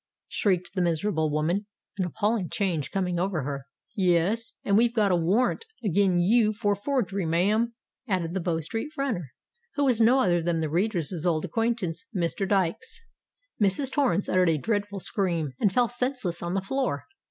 shrieked the miserable woman, an appalling change coming over her. "Yes—and we've got a warrant agin you for forgery, ma'am," added the Bow Street runner, who was no other than the reader's old acquaintance Mr. Dykes. Mrs. Torrens uttered a dreadful scream, and fell senseless on the floor.